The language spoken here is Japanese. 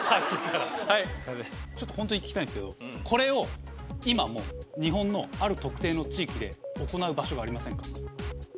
本当に聞きたいんすけどこれを今も日本のある特定の地域で行う場所がありませんか？